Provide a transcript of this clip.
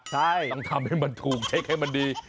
ใช่ต้องทำให้มันถูกเช็คให้มันดี